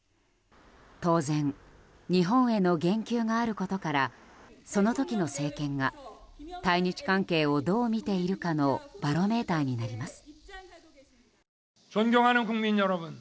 当然、日本への言及があることからその時の政権が対日関係をどう見ているかのバロメーターになります。